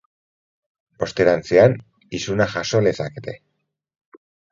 Osterantzean, isuna jaso lezakete.